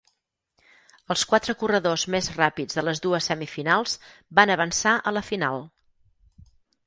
Els quatre corredors més ràpids de les dues semifinals van avançar a la final.